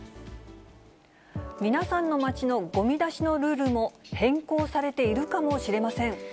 皆さんの街のごみ出しのルールも変更されているかもしれません。